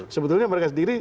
sebetulnya mereka sendiri